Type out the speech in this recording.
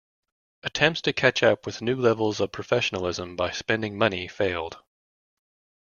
Attempts to catch up with new levels of professionalism by spending money failed.